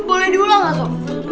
boleh diulang gak sob